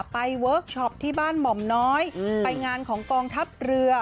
เวิร์คชอปที่บ้านหม่อมน้อยไปงานของกองทัพเรือ